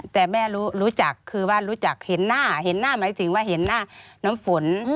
แต่แม่รู้จักคือว่ารู้จักเห็นหน้าเห็นหน้าหมายถึงว่าเห็นหน้าน้ำฝน